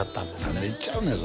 何で行っちゃうねん